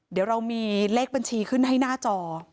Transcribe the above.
เดี๋ยวเรามีเลขบัญชีขึ้นให้หน้าจอ